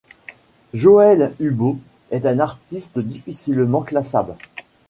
Joël Hubaut est un artiste difficilement classable.